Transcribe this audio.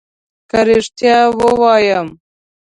که ريښتيا ووايم